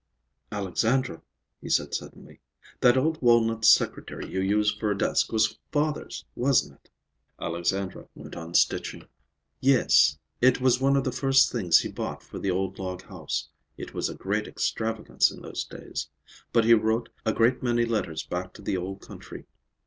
"Alexandra," he said suddenly, "that old walnut secretary you use for a desk was father's, wasn't it?" Alexandra went on stitching. "Yes. It was one of the first things he bought for the old log house. It was a great extravagance in those days. But he wrote a great many letters back to the old country.